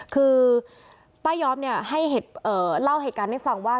คือป้ายอมให้เล่าเหตุการณ์ให้ฟังว่า